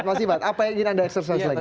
mas iman apa yang ingin anda eksersis lagi